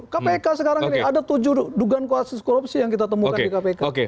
kpk sekarang ini ada tujuh dugaan kasus korupsi yang kita temukan di kpk